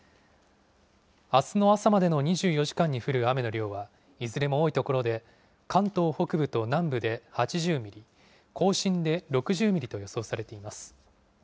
あすの朝までの２４時間に降る雨の量はいずれも多い所で、関東北部と南部で８０ミリ、甲信で６０ミリと予想されています。